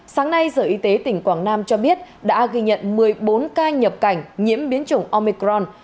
sáng nay sở y tế tỉnh quảng nam cho biết đã ghi nhận một mươi bốn ca nhập cảnh nhiễm biến chủng omicron